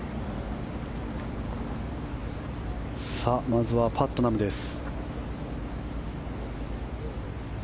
まずは、パットナムです。